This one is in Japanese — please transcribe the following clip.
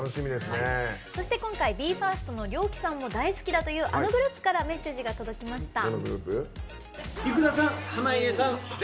そして、今回ＢＥ：ＦＩＲＳＴのＲＹＯＫＩさんも大好きだというあのグループからメッセージが届きました。